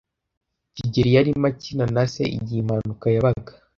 kigeli yarimo akina na se igihe impanuka yabaga.